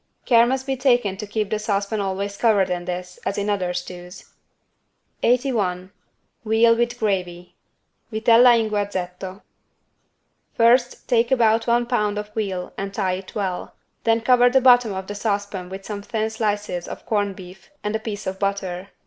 Care must be taken to keep the saucepan always covered, in this as in other stews. 81 VEAL WITH GRAVY (Vitella in guazzetto) First take about one pound of veal and tie it well. Then cover the bottom of the saucepan with some thin slices of corned beef and a piece of butter.